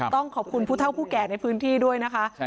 ต้องขอบคุณผู้เท่าผู้แก่ในพื้นที่ด้วยนะคะ